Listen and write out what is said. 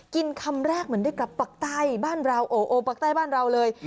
คำแรกเหมือนได้กลับปักใต้บ้านเราโอโอปักใต้บ้านเราเลย